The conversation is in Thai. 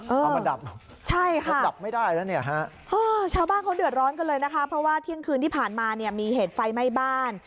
เออใช่ค่ะชาวบ้านเขาเดือดร้อนกันเลยนะคะเพราะว่าเที่ยงคืนที่ผ่านมาเนี่ยมีเหตุไฟไหม้บ้าน